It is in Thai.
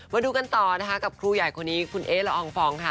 มาดูกันต่อนะคะกับครูใหญ่คนนี้คุณเอ๊ละอองฟองค่ะ